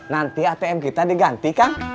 nanti atm kita diganti kang